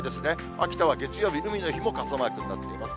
秋田は月曜日、海の日も傘マークになっています。